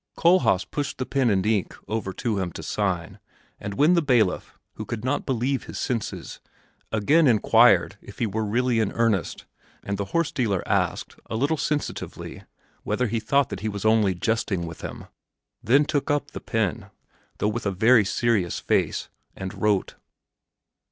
Kohlhaas pushed the pen and ink over for him to sign, and when the bailiff, who could not believe his senses, again inquired if he were really in earnest, and the horse dealer asked, a little sensitively, whether he thought that he was only jesting with him, then took up the pen, though with a very serious face, and wrote.